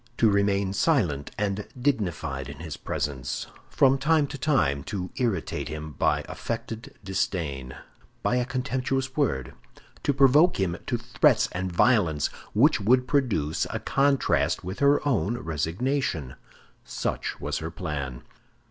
To remain silent and dignified in his presence; from time to time to irritate him by affected disdain, by a contemptuous word; to provoke him to threats and violence which would produce a contrast with her own resignation—such was her plan.